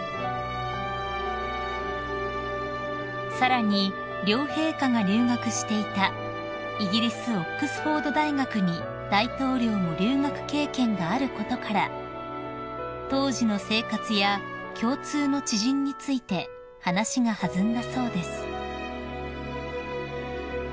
［さらに両陛下が留学していたイギリスオックスフォード大学に大統領も留学経験があることから当時の生活や共通の知人について話が弾んだそうです］